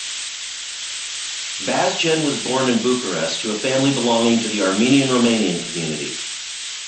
Vazgen was born in Bucharest to a family belonging to the Armenian-Romanian community.